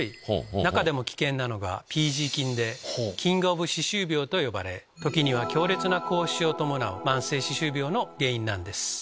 中でも危険なのがＰ．ｇ．菌でキングオブ歯周病と呼ばれ時には強烈な口臭を伴う慢性歯周病の原因なんです。